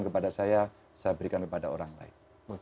kepada saya saya berikan kepada orang lain